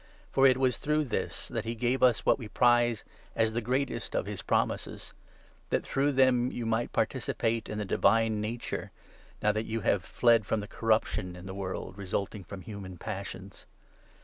For it 4 Life. was through this that he gave us what we prize as the greatest of his promises, that through them you might participate in the divine nature, now that you have fled from the corruption in the world, resulting from human passions.